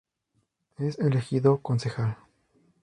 Es elegido concejal.